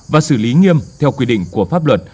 và xử lý nghiêm theo quy định của pháp luật